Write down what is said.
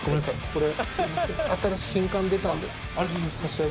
これ。